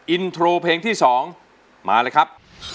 อินโทรเพลงที่๒มาเลยครับ